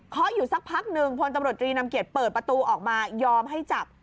เขาอยู่สักพักหนึ่งพลตำรวจตรีนำเกียจเปิดประตูออกมายอมให้จับ